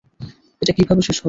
এটা কিভাবে শেষ হবে?